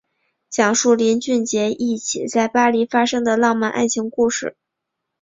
讲述林俊杰一起在巴黎发生的浪漫爱情故事。